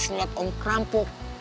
lihat om kerampok